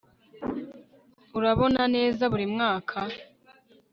urabona neza buri mwaka